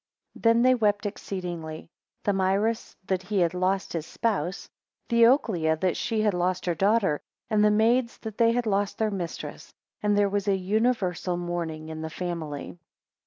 11 Then they wept exceedingly, Thamyris, that he had lost his spouse; Theoclia, that she had lost her daughter; and the maids, that they had lost their mistress; and there was an universal mourning in the family.